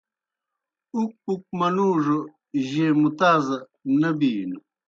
اُک پُک منُوڙوْ جیئے مُتاز نی بِینوْ۔